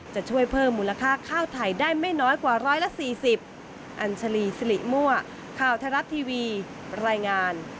จะช่วยเพิ่มมูลค่าข้าวไทยได้ไม่น้อยกว่า๑๔๐